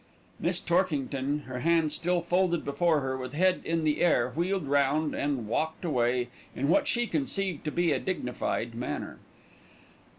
Miss Torkington, her hands still folded before her, with head in the air, wheeled round and walked away in what she conceived to be a dignified manner.